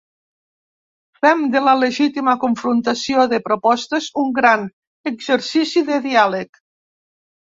Fem de la legítima confrontació de propostes un gran exercici de diàleg.